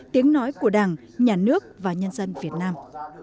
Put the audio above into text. tiếng nói của đảng nhà nước và nhân dân việt nam